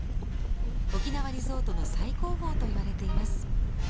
沖縄リゾートの最高峰といわれています。